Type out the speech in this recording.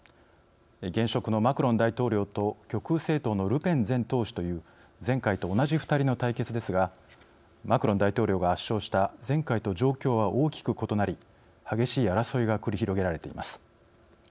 現職のマクロン大統領と極右政党のルペン前党首という前回と同じ２人の対決ですがマクロン大統領が圧勝した前回と状況は大きく異なり激しい争いが繰り広げられています。